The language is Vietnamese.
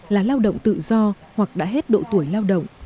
là lao động tự do hoặc đã hết độ tuổi lao động